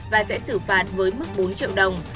và sẽ xử phạt với mức bốn triệu đồng